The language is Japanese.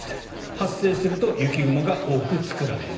発生すると雪雲が多く作られる。